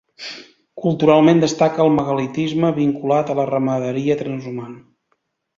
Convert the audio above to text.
Culturalment destaca el megalitisme, vinculat a la ramaderia transhumant.